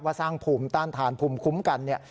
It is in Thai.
สร้างภูมิต้านทานภูมิคุ้มกันเนี่ย